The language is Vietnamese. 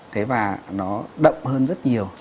thế và nó đậm hơn rất nhiều